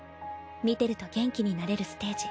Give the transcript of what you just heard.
見てると元気になれるステージ。